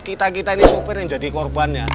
kita kita ini sopir yang jadi korbannya